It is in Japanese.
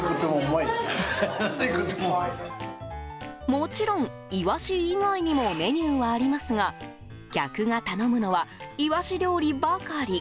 もちろんイワシ以外にもメニューはありますが客が頼むのはイワシ料理ばかり。